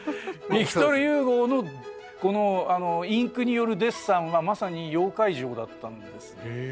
ヴィクトル・ユゴーのこのインクによるデッサンはまさに妖怪城だったんです。